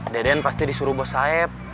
deden pasti disuruh bos saeb